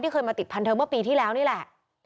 เคยมาติดพันเธอเมื่อปีที่แล้วนี่แหละ